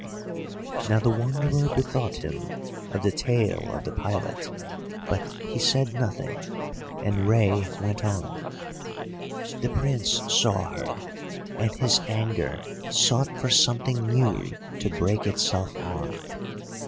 Now the Wanderer bethought him of the tale of the pilot, but he said nothing, and Rei went on. "The Prince saw her, and his anger sought for something new to break itself on.